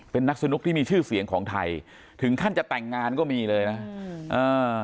เป็นนักสนุกที่มีชื่อเสียงของไทยถึงขั้นจะแต่งงานก็มีเลยนะอืมอ่า